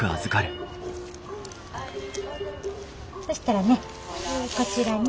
そしたらねこちらに。